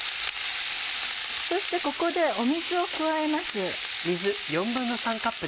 そしてここで水を加えます。